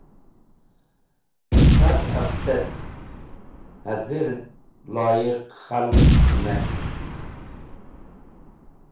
Sad ẽfset haz̃ir loyiq khalg mẽrtẽ